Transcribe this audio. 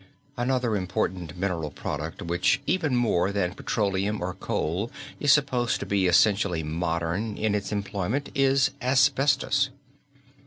Another important mineral product which even more than petroleum or coal is supposed to be essentially modern in its employment is asbestos.